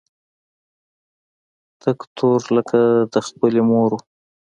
تک تور لکه د خپلې مور و.